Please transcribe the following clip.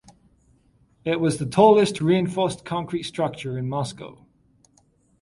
It was the tallest reinforced concrete structure in Moscow.